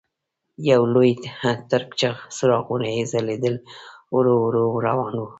یو لوی ټرک چې څراغونه یې ځلېدل ورو ورو روان و.